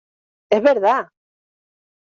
¡ es verdad!